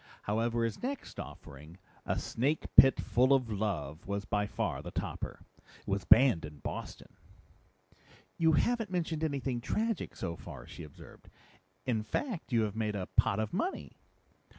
However, his next offering, A Snake Pit Full of Love, was by far the topper. It was banned in Boston." "You haven't mentioned anything tragic so far," she observed. "In fact, you have made a pot of money."